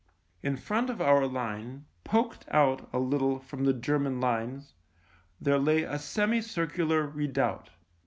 In front of our line, poked out a little from the German lines, there lay a semi circular redoubt.